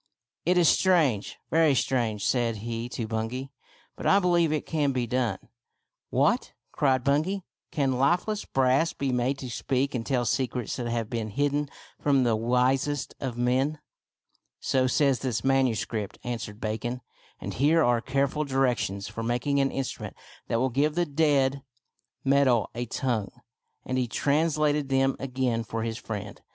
" It is strange, very strange," said he to Bungay, " but I believe it can be done." " What !" cried Bungay, " can lifeless brass be made to speak and tell secrets that have been hidden from the wisest of men ?" 72 THIRTY MORE FAMOUS STORIES " So says this manuscript," answered Bacon ;" and here are careful directions for making an instrument that will give the dead metal a tongue ;" and he translated them again for his friend.